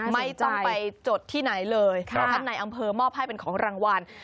ไม่ต้องไปจดที่ไหนเลยท่านในอำเภอมอบให้เป็นของรางวัล